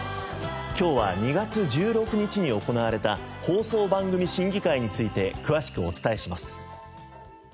今日は２月１６日に行われた放送番組審議会について詳しくお伝えします。